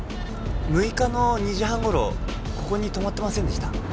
６日の２時半頃ここに止まってませんでした？